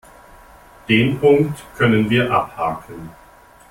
Den Punkt können wir abhaken.